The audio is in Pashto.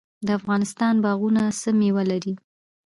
د افغانستان باغونه څه میوې لري؟